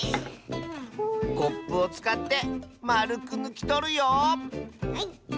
コップをつかってまるくぬきとるよはい。